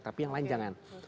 tapi yang lain jangan